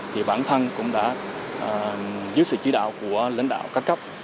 thì bản thân cũng đã dưới sự chỉ đạo của lãnh đạo ca cấp